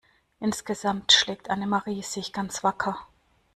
Insgesamt schlägt Annemarie sich ganz wacker.